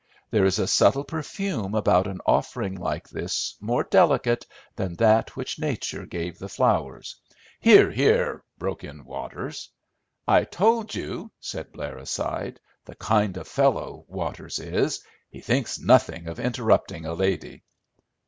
There is a subtle perfume about an offering like this more delicate than that which Nature gave the flowers—" "Hear, hear," broke in Waters. "I told you," said Blair aside, "the kind of fellow Waters is. He thinks nothing of interrupting a lady."